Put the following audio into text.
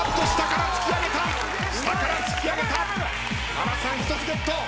原さん１つゲット。